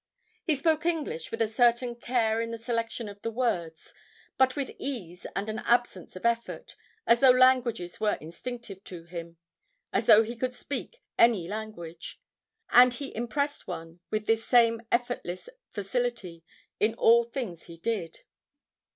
He spoke English with a certain care in the selection of the words, but with ease and an absence of effort, as though languages were instinctive to him—as though he could speak any language. And he impressed one with this same effortless facility in all the things he did.